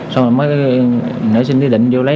xong rồi mới nở sinh tư định vô lấy